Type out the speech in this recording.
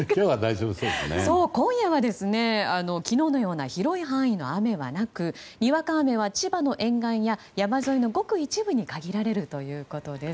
今夜は昨日のような広い範囲の雨はなくにわか雨は千葉の沿岸や山沿いのごく一部に限られるということです。